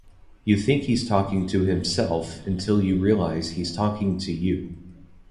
You think he's talking to himself until you realize he's talking to you.